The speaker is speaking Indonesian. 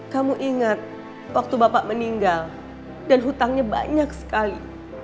kamu ingat waktu bapak meninggal dan hutangnya banyak sekali